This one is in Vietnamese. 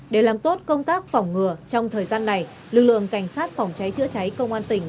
để làm tốt công tác phòng ngừa trong thời gian này lực lượng cảnh sát phòng cháy chữa cháy công an tỉnh